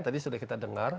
tadi sudah kita dengar